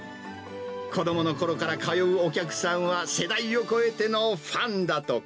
子どものころから通うお客さんは、世代を超えてのファンだとか。